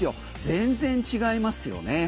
全然違いますよね。